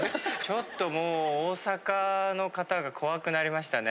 ちょっともう大阪の方が怖くなりましたね。